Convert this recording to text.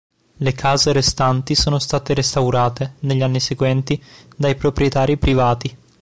Le case restanti sono state restaurate, negli anni seguenti, dai proprietari privati.